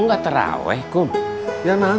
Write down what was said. sebatas itu sama capit dan aku